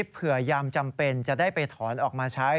พยายามจำเป็นจะได้ไปถอนออกมาใช้